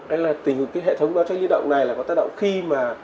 đây là tình hình hệ thống báo cháy liên động này là có tác động khi mà